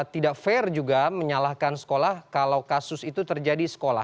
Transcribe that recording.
tidak fair juga menyalahkan sekolah kalau kasus itu terjadi sekolah